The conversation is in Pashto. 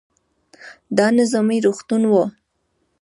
دا نظامي روغتون و.